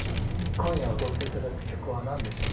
今夜踊っていただく曲は何でしょう？